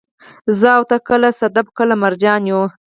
زه او ته، کله صدف، کله مرجان يو